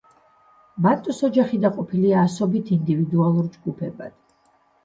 ბანტუს ოჯახი დაყოფილია ასობით ინდივიდუალურ ჯგუფებად.